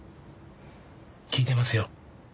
聞いてますよ。